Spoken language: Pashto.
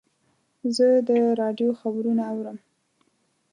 زه د راډیو خبرونه اورم.